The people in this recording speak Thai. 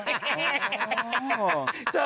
เอ้าเหรอ